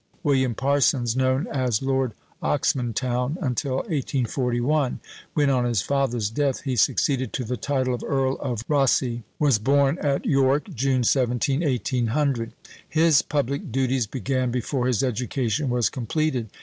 William Parsons, known as Lord Oxmantown until 1841, when, on his father's death, he succeeded to the title of Earl of Rosse, was born at York, June 17, 1800. His public duties began before his education was completed.